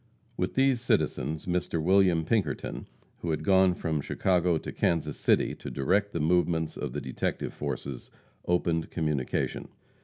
With these citizens, Mr. William Pinkerton, who had gone from Chicago to Kansas City, to direct the movements of the detective forces, opened communication.